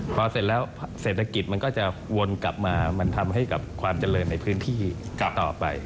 ผ้าเศรษฐกิจก็จะวนกลับมาทำให้กับความเจริญในพื้นที่ต่อไป